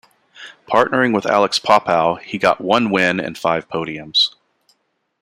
Partnering with Alex Popow, he got one win and five podiums.